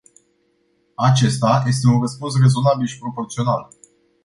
Acesta este un răspuns rezonabil și proporțional.